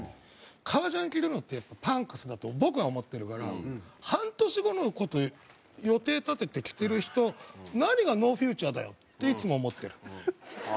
革ジャン着るのってパンクスだと僕は思ってるから半年後の事予定立てて着てる人何がノーフューチャーだよっていつも思ってる。